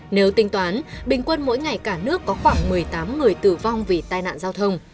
nếu tính toán bình quân mỗi ngày cả nước có khoảng một mươi tám người tử vong vì tai nạn giao thông